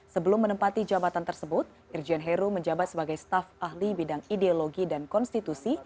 sebelum menempati jabatan tersebut irjen heru menjabat sebagai staf ahli bidang ideologi dan konstitusi